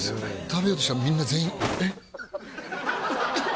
食べようとしたみんな全員「えっ」